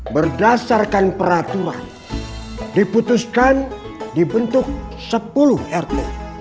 berdasarkan peraturan diputuskan dibentuk sepuluh rt